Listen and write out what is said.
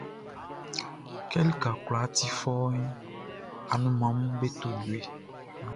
Kɛ lika kwlaa ti fɔuunʼn, anunmanʼm be to jue.